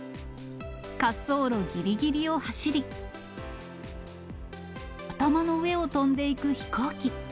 滑走路ぎりぎりを走り、頭の上を飛んでいく飛行機。